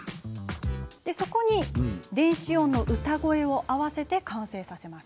そこに、電子音の歌声を合わせて完成させます。